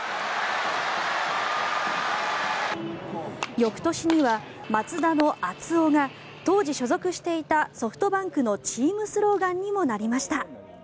翌年には松田の「熱男」が当時、所属していたソフトバンクのチームスローガンにもなりました。